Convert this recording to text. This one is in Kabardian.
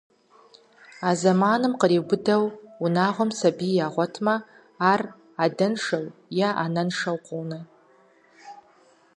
А зэманым къриубыдэу унагъуэм сабий ягъуэтамэ, ар адэншэу е анэншэу къонэ.